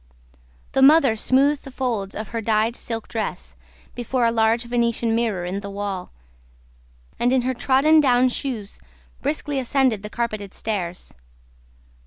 The mother smoothed the folds of her dyed silk dress before a large Venetian mirror in the wall, and in her trodden down shoes briskly ascended the carpeted stairs.